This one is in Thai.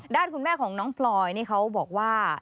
ด้านคุณแม่ของน้องพลอยนี่เขาบอกว่า